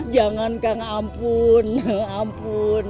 jangan kang ampun ampun